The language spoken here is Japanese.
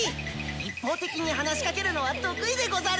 一方的に話しかけるのは得意でござる！